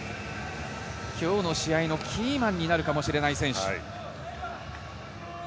今日の試合のキーマンになるかもしれない選手。